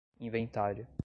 inventário